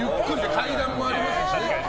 階段もありますから。